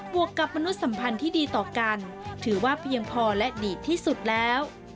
วกกับมนุษย์สัมพันธ์ที่ดีต่อกันถือว่าเพียงพอและดีที่สุดแล้ว